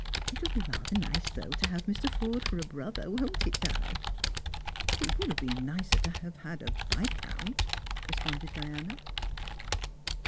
It'll be rather nice, though, to have Mr. Forde for a brother, won't it, Di ?"" It would have been nicer to have had a viscount," respondei Diana.